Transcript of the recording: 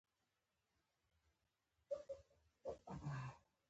په افغانستان کې بېلابېل طبیعي تالابونه شتون لري.